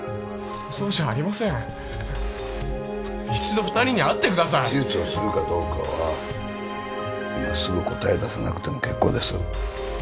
想像じゃありません一度二人に会ってください手術をするかどうかは今すぐ答えを出さなくてもけっこうです